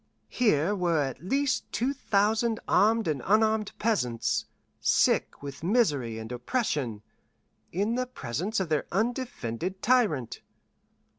Here were at least two thousand armed and unarmed peasants, sick with misery and oppression, in the presence of their undefended tyrant.